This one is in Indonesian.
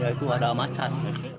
ya itu ada macan